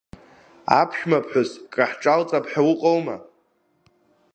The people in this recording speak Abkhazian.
Аԥшәмаԥҳәыс краҳҿалҵап ҳәа уҟоума!